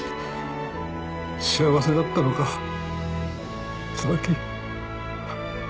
幸せだったのか椿。